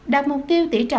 đạt mục tiêu tỉ trọng